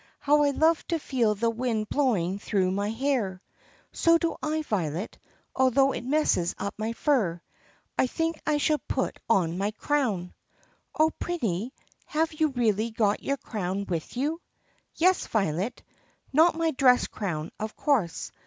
How I love to feel the wind blowing through my hair!" "So do I, Violet, although it messes up my fur. I think I shall put on my crown." "Oh, Prinny, have you really got your crown with you*?" "Yes, Violet. Not my dress crown, of course.